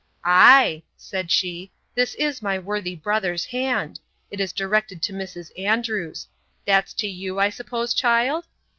Ay, said she, this is my worthy brother's hand. It is directed to Mrs. Andrews. That's to you, I suppose, child?